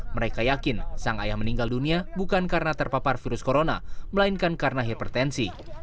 mereka yakin sang ayah meninggal dunia bukan karena terpapar virus corona melainkan karena hipertensi